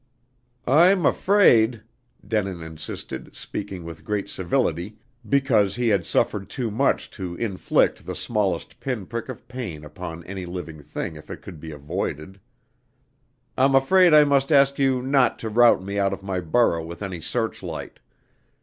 "I'm afraid," Denin insisted, speaking with great civility, because he had suffered too much to inflict the smallest pin prick of pain upon any living thing if it could be avoided. "I'm afraid I must ask you not to rout me out of my burrow with any searchlight.